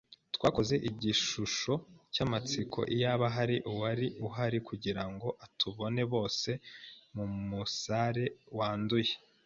Twakoze igishusho cyamatsiko, iyaba hari uwari uhari kugirango atubone - bose mumusare wanduye